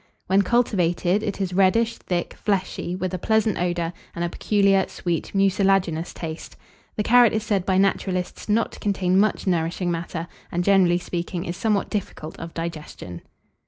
When cultivated, it is reddish, thick, fleshy, with a pleasant odour, and a peculiar, sweet, mucilaginous taste. The carrot is said by naturalists not to contain much nourishing matter, and, generally speaking, is somewhat difficult of digestion.